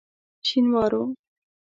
شینوارو.